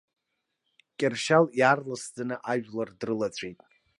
Кьыршьал иаарласӡаны ажәлар дрылаҵәеит.